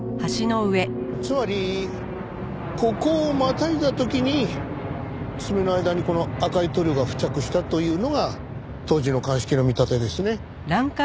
つまりここをまたいだ時に爪の間にこの赤い塗料が付着したというのが当時の鑑識の見立てですね。